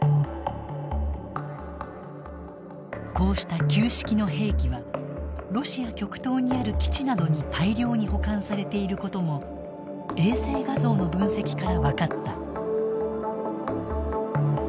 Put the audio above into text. こうした旧式の兵器はロシア極東にある基地などに大量に保管されていることも衛星画像の分析から分かった。